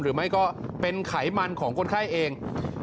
หรือไม่ก็เป็นไขมันของคนไข้เอง